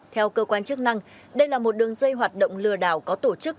theo cơ quan chức năng đây là một đường dây hoạt động lừa đảo có tổ chức